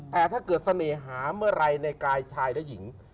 แต่ถ้าเกิดเสน่หาเมื่อไหร่ในกายชายและหญิง